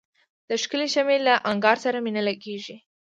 د ښکلي شمعي له انګار سره مي نه لګیږي